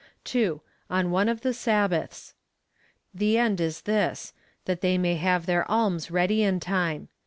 2. 0)1 one of the Sabbaths. The end is this — that they may have their alms ready in time.